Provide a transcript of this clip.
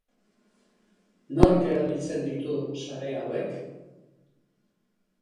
Nork erabiltzen ditu sare hauek?